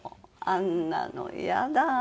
あんなのイヤだ。